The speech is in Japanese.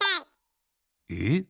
えっ？